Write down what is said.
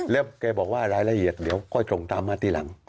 แล้วแกบอกว่าอะไรละเอียดเดี๋ยวก็จงทำมาทีหลัง